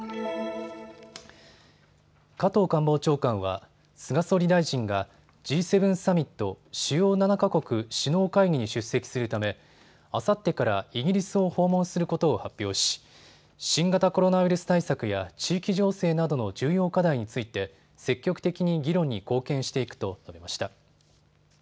加藤官房長官は菅総理大臣がＧ７サミット・主要７か国首脳会議に出席するためあさってからイギリスを訪問することを発表し新型コロナウイルス対策や地域情勢などの重要課題について積極的に議論に貢献していくと述べました。